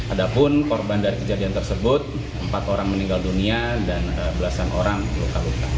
ada pun korban dari kejadian tersebut empat orang meninggal dunia dan belasan orang luka luka